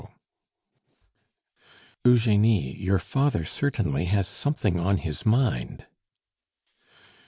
"Eugenie, your father certainly has something on his mind."